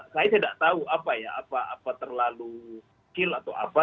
saya tidak tahu apa ya apa terlalu kecil atau apa